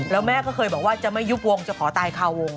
แล้วแม่ก็เคยบอกว่าจะไม่ยุบวงจะขอตายคาวง